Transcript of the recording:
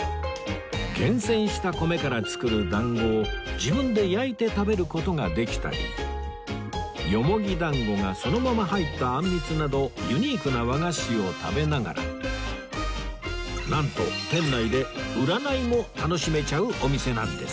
厳選した米から作る団子を自分で焼いて食べる事ができたりよもぎ団子がそのまま入ったあんみつなどユニークな和菓子を食べながらなんと店内で占いも楽しめちゃうお店なんです